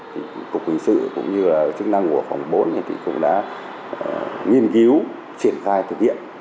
cục quyền sự cũng như chức năng của phòng bôn cũng đã nghiên cứu triển khai thực hiện